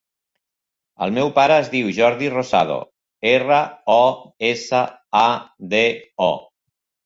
El meu pare es diu Jordi Rosado: erra, o, essa, a, de, o.